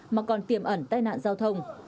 mà còn tiềm ẩn tai nạn giao thông